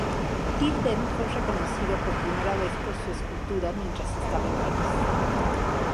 Tilden fue reconocido por primera vez por su escultura mientras estaba en París.